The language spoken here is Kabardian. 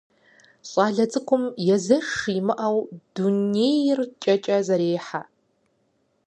ЩӀалэ цӀыкӀум езэш имыӀэу дунейр кӀэкӀэ зэрехьэ.